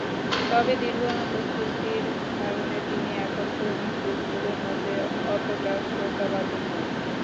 তবে দীর্ঘ অনুপস্থিতির কারণে তিনি এখন তরুণ গ্রুপগুলোর মধ্যে অতটা শ্রদ্ধাভাজন নন।